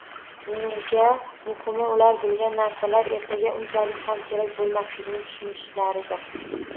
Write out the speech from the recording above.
Menimcha, muhimi, ular bilgan narsalar ertaga unchalik ham kerak boʻlmasligini tushunishlaridir.